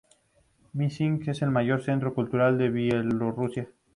Minsk es el mayor centro cultural de Bielorrusia.